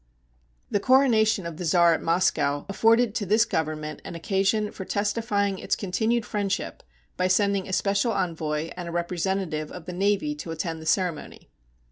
The coronation of the Czar at Moscow afforded to this Government an occasion for testifying its continued friendship by sending a special envoy and a representative of the Navy to attend the ceremony.